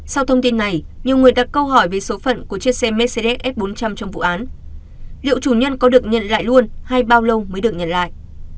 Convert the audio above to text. xe mercedes f bốn trăm linh trong vụ án liệu chủ nhân có được nhận lại luôn hay bao lâu mới được nhận lại